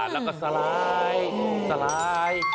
แล้วก็สลาย